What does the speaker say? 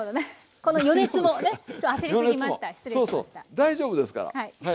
大丈夫ですから。